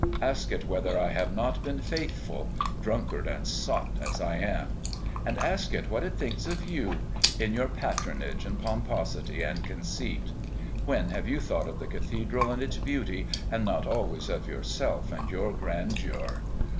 Ask it whether I have not been faithful, drunkard and sot as I am. And ask it what it thinks of you of your patronage and pomposity and conceit. When have you thought of the Cathedral and its beauty, and not always of yourself and your grandeur?...